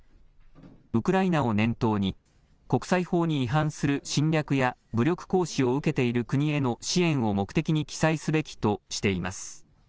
ウクライナを念頭に国際法に違反する侵略や武力行使を受けている国への支援を目的に記載すべきとしています。